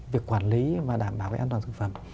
việc quản lý và đảm bảo về an toàn thực phẩm